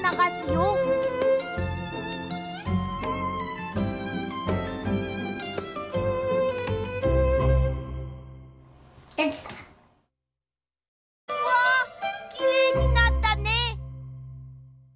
うわきれいになったね！